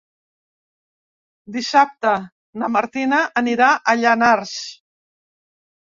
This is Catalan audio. Dissabte na Martina anirà a Llanars.